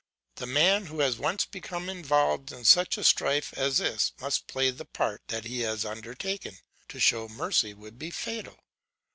The man who has once become involved in such a strife as this must play the part that he has undertaken; to show mercy would be fatal.